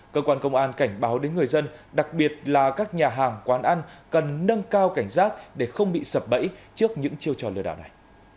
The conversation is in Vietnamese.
cơ quan công an cảnh báo đến người dân đặc biệt là các nhà hàng quán ăn cần nâng cao cảnh giác để không bị sập bẫy trước những chiêu trò lừa đảo này